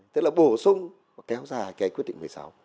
tức là bổ sung và kéo dài cái quyết định một mươi sáu